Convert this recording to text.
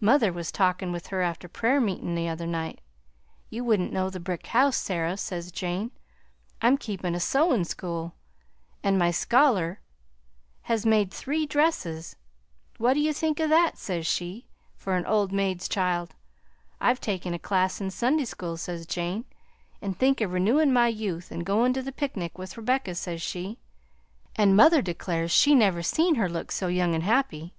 Mother was talkin' with her after prayer meetin' the other night. 'You wouldn't know the brick house, Sarah,' says Jane. 'I'm keepin' a sewin' school, an' my scholar has made three dresses. What do you think o' that,' says she, 'for an old maid's child? I've taken a class in Sunday school,' says Jane, 'an' think o' renewin' my youth an' goin' to the picnic with Rebecca,' says she; an' mother declares she never see her look so young 'n' happy."